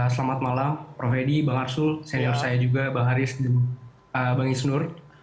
selamat malam prof edi bang arsul senior saya juga bang haris dan bang isnur